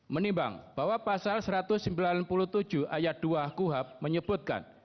menimbang bahwa pasal satu ratus sembilan puluh tujuh ayat dua kuhab menyebutkan